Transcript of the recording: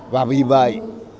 và vì vậy